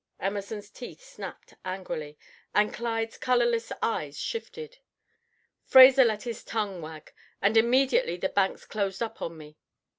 Emerson's teeth snapped angrily, and Clyde's colorless eyes shifted. "Fraser let his tongue wag, and immediately the banks closed up on me.